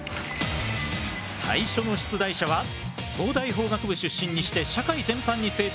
最初の出題者は東大法学部出身にして社会全般に精通する男